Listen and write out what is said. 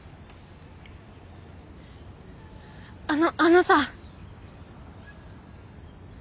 あのあのさ。